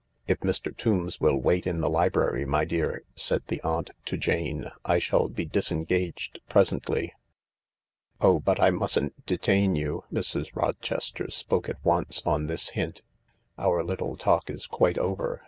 If Mr. Tombs will wait in the library, my dear," said the aunt to Jane, " I shall be disengaged presently." "Oh, but I mustn't detain you." Mrs. Rochester spoke at once on this hint. " Our little talk is quite over.